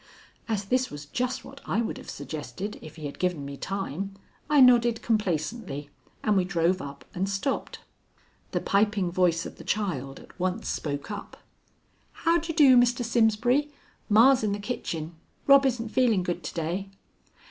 As this was just what I would have suggested if he had given me time, I nodded complacently, and we drove up and stopped. The piping voice of the child at once spoke up: "How d' ye do, Mr. Simsbury? Ma's in the kitchen. Rob isn't feelin' good to day."